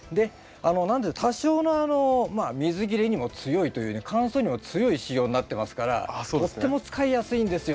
なので多少の水切れにも強いというね乾燥にも強い仕様になってますからとっても使いやすいんですよ。